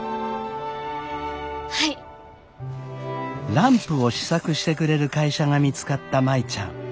ランプを試作してくれる会社が見つかった舞ちゃん。